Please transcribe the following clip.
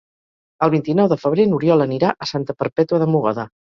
El vint-i-nou de febrer n'Oriol anirà a Santa Perpètua de Mogoda.